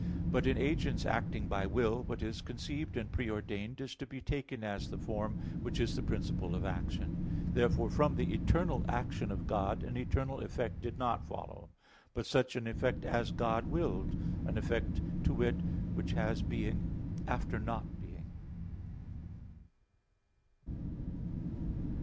But in agents acting by will, what is conceived and preordained is to be taken as the form, which is the principle of action. Therefore from the eternal action of God an eternal effect did not follow; but such an effect as God willed, an effect, to wit, which has being after not being.